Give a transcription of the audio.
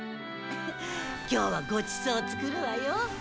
今日はごちそう作るわよ。